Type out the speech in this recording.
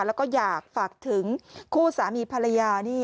แล้วก็อยากฝากถึงคู่สามีภรรยานี่